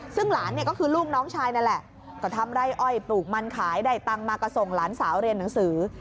ซึ่งหลานเนี่ยก็คือลูกน้องชายนั่นแหละก็ทำไร่อ้อยปลูกมันขายได้ตังค์มาก็ส่งหลานสาวเรียนหนังสือ